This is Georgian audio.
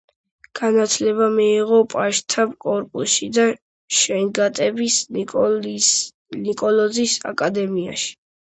განათლება მიიღო პაჟთა კორპუსში და გენშტაბის ნიკოლოზის აკადემიაში.